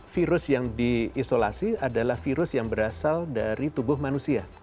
virus yang diisolasi adalah virus yang berasal dari tubuh manusia